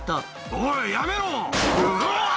「おいやめろ！うわ！」